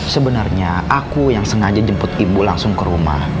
sebenarnya aku yang sengaja jemput ibu langsung ke rumah